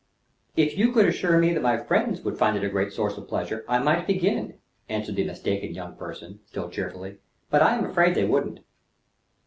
"If you could assure me that my friends would find it a great source of pleasure, I might begin," answered the mistaken young person, still cheerfully; "but I am afraid they wouldn't."